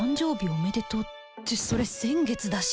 おめでとうってそれ先月だし